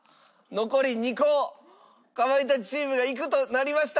かまいたちチームがいくとなりました。